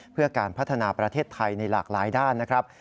เพื่อการพัฒนาประเทศไทยในหลากหลายด้านนะครับ